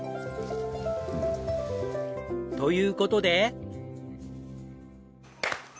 という事で。